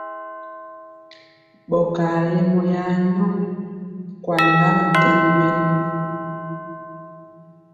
Ɓɔgaa lemɔ ya nyɔ, kwaliga ɓɛntɛmbi wen.